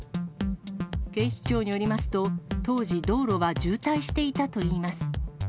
警視庁によりますと、当時、道路は渋滞していたといいます。